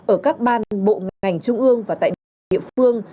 ở các ban bộ ngành trung ương và tại địa phương